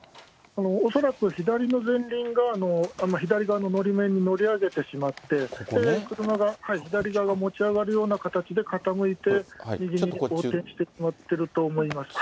恐らく左の前輪が、左側ののり面に乗り上げてしまって、左側が持ち上がるような形で傾いて右に横転してしまっていると思います。